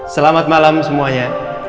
selamat malam semuanya